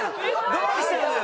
どうしたのよ？